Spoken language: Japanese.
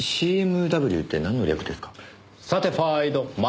ＣＭＷってなんの略ですか？